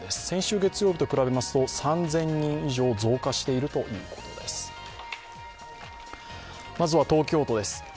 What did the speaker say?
先週月曜日と比べますと３０００人以上、増加しているということです。